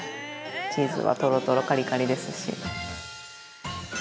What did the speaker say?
チーズはとろとろカリカリですし。